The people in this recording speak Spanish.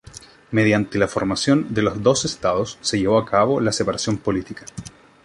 Mediante la formación de los dos Estados se llevó a cabo la separación política.